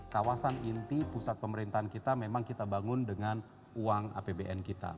kawasan inti pusat pemerintahan kita memang kita bangun dengan uang apbn kita